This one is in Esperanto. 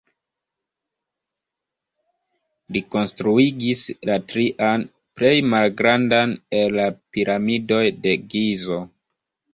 Li konstruigis la trian, plej malgrandan el la Piramidoj de Gizo.